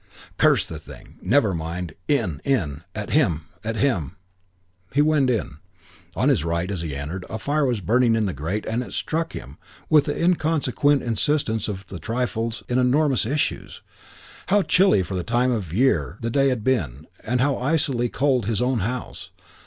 Curse the thing! Never mind. In! In! At him! At him! He went in. III On his right, as he entered, a fire was burning in the grate and it struck him, with the inconsequent insistence of trifles in enormous issues, how chilly for the time of year the day had been and how icily cold his own house.